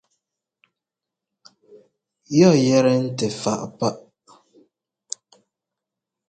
Yɔ yɛ́tɛ́ ntɛ fáʼ pá?